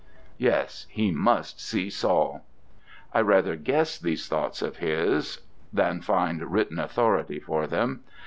Yes, he must see Saul. I rather guess these thoughts of his than find written authority for them.